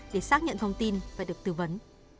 để xác nhận thông tin và được tư vấn